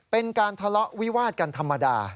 เป็นการทะเลาะวิวาดกันธรรมดา